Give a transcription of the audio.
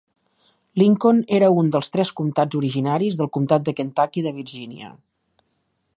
Lincoln era un dels tres comtats originaris del comtat de Kentucky de Virginia.